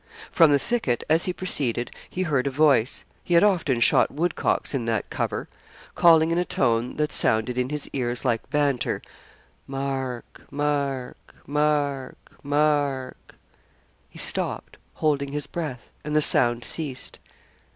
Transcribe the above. From the thicket, as he proceeded, he heard a voice he had often shot woodcocks in that cover calling in a tone that sounded in his ears like banter, 'Mark Mark Mark Mark.' He stopped, holding his breath, and the sound ceased.